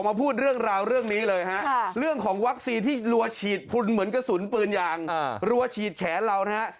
ค่ะเรื่องของวัคซีที่หลัวฉีดพุนเหมือนกระสุนปืนยางอ่าหลัวฉีดแขนเรานะฮะ